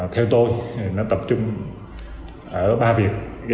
theo tôi tập trung ở ba việc